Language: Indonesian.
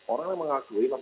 orang yang mengakui